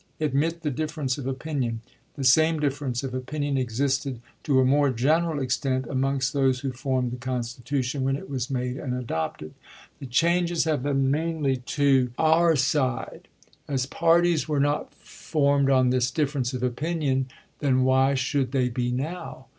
Admit the difference of opinion. The same dif ference of opinion existed to a more general extent amongst those who formed the Constitution when it was made and adopted. The changes have been mainly to ALEXANDER H. STEPHENS. STEPHENS'S SPEECH 273 our side. As parties were not formed on this difference ch. xvii. of opinion then, why should they be now?